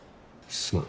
すまん。